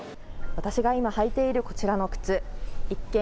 私が今履いているこちらの靴一見